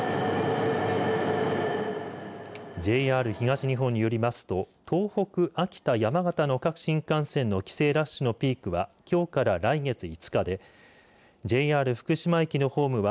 ＪＲ東日本によりますと東北、秋田、山形の各新幹線の帰省ラッシュのピークはきょうから来月５日でＪＲ福島駅のホームは